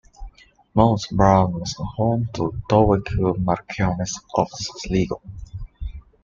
Mount Browne was home to the Dowager Marchioness of Sligo.